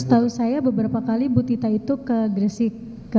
setahu saya beberapa kali bu tita itu ke gresik